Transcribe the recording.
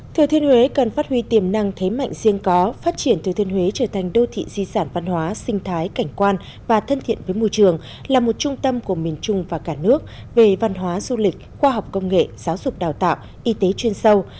thừa thiên huế cần phát huy tiềm năng thế mạnh riêng có phát triển thừa thiên huế trở thành đô thị di sản văn hóa sinh thái cảnh quan và thân thiện với môi trường là một trung tâm của miền trung và cả nước về văn hóa du lịch khoa học công nghệ giáo dục đào tạo y tế chuyên sâu